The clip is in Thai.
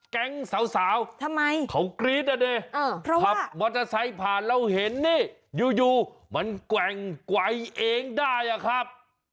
แก๊งสาวทำไมเขากรี๊ดอ่ะดิขับมอเตอร์ไซค์ผ่านเราเห็นนี่อยู่มันแกว่งไวเองได้อะครับ